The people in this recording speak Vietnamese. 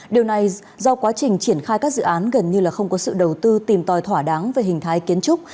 điều này do quá trình triển khai các dự án gần như không có sự đầu tư tìm tòi thỏa đáng về hình thái kiến trúc